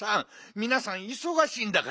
みなさんいそがしいんだから。